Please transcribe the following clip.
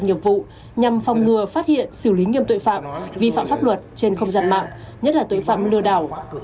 nghiệp vụ nhằm phòng ngừa phát hiện xử lý nghiêm tội phạm vi phạm pháp luật trên không gian mạng nhất là tội phạm lừa đảo